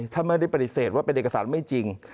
ท่านไม่ได้ปฏิเสธว่าเป็นเอกสารไม่จริง